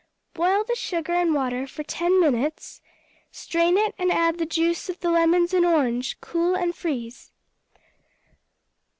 Boil the sugar and water for ten minutes; strain it and add the juice of the lemons and orange; cool and freeze.